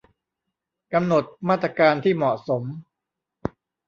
กำหนดมาตรการที่เหมาะสม